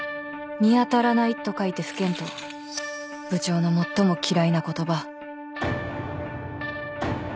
「見当たらない」と書いて「不見当」部長の最も嫌いな言葉